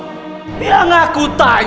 aku mendapatkan tugas khusus untuk membunuhmu